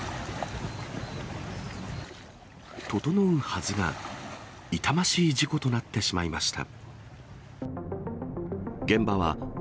整うはずが、痛ましい事故となってしまいました。